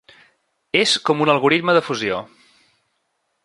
És com un algoritme de fusió.